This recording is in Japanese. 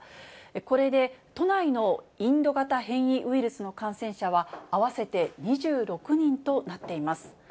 これで都内のインド型変異ウイルスの感染者は合わせて２６人となっています。